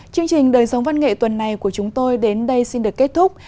chương trình đời sống văn nghệ tuần này của chúng tôi đến đây xin được kết thúc